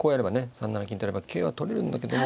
３七金とやれば桂は取れるんだけども。